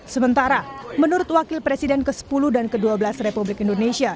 sementara menurut wakil presiden ke sepuluh dan ke dua belas republik indonesia